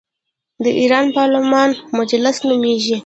د ایران پارلمان مجلس نومیږي.